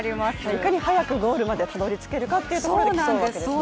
いかに早くゴールまでたどり着けるかということで競うわけですね。